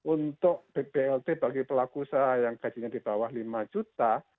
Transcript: untuk bblt bagi pelaku usaha yang gajinya di bawah lima juta